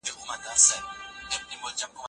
د کتابونو لیست چمتو کړه.